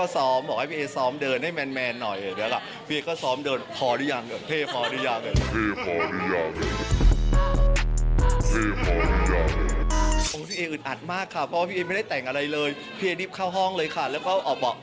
สวัสดีครับ